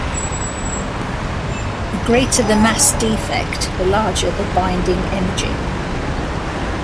The greater the mass defect, the larger the binding energy.